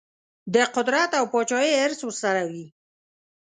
د قدرت او پاچهي حرص ورسره وي.